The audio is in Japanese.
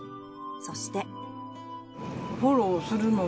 そして。